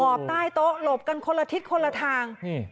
บใต้โต๊ะหลบกันคนละทิศคนละทาง